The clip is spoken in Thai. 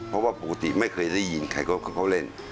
เพราะว่าปกติไม่เคยได้ยินใครเขาเล่น